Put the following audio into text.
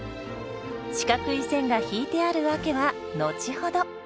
四角い線が引いてある訳は後ほど。